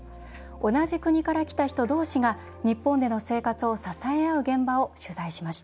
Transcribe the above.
同じ国から来た人同士が日本での生活を支え合う現場を取材しました。